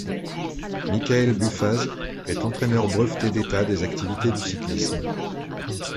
Mickaël Buffaz est entraîneur breveté d’État des activités du cyclisme.